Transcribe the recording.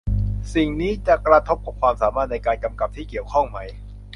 สิ่งนี้จะกระทบกับความสามารถในการกำกับที่เกี่ยวข้องไหม